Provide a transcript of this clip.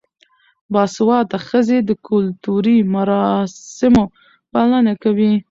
باسواده ښځې د کلتوري مراسمو پالنه کوي.